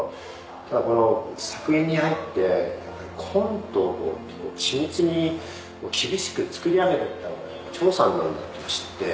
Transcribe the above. ただこの作品に入ってコントを緻密に厳しく作りあげてったのが長さんなんだって知って。